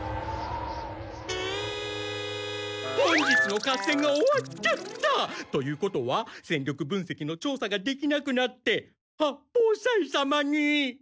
本日の合戦が終わっちゃった！ということは戦力分せきのちょうさができなくなって八方斎様に。